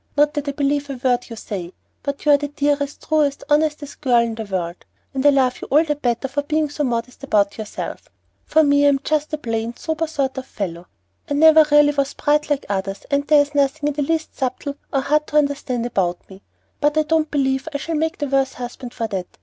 "Not that I believe a word you say; but you are the dearest, truest, honestest girl in the world, and I love you all the better for being so modest about yourself. For me, I'm just a plain, sober sort of fellow. I never was bright like the others, and there's nothing in the least 'subtle' or hard to understand about me; but I don't believe I shall make the worse husband for that.